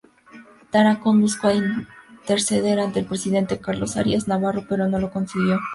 Tarancón buscó interceder ante el presidente Carlos Arias Navarro pero no lo consiguió.